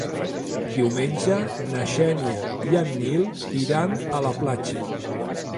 Diumenge na Xènia i en Nil iran a la platja.